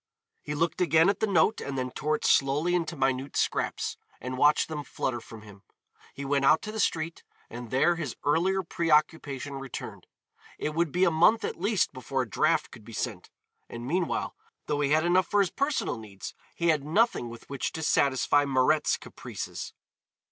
He looked again at the note and then tore it slowly into minute scraps, and watched them flutter from him. He went out to the street and there his earlier preoccupation returned. It would be a month at least before a draft could be sent, and meanwhile, though he had enough for his personal needs, he had nothing with which to satisfy Mirette's caprices.